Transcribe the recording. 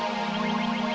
satu singkat lagi